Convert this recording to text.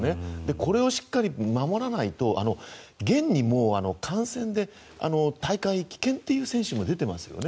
これをしっかり守らないと現に、感染で大会棄権という選手が出ていますよね。